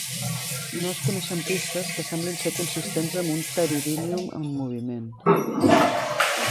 No es coneixen pistes que semblin ser consistents amb un "Pteridinium" en moviment.